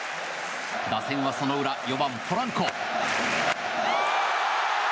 打線はその裏、４番ポランコ。